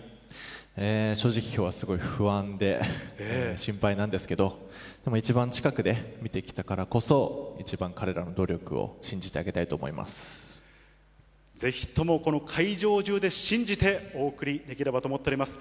正直、きょうはすごい不安で、心配なんですけど、でも一番近くで見てきたからこそ、一番彼らのぜひとも、この会場中で信じてお送りできればと思っております。